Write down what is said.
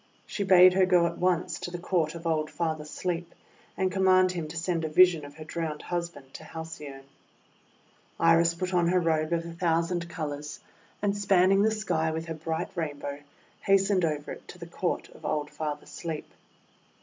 She bade her go at once to the Court of old Father Sleep, and com mand him to send a vision of her drowned hus band to Halcyone. Iris put on her robe of a thousand colours, and, spanning the sky with her bright Rainbow, hastened over it to the Court of old Father Sleep.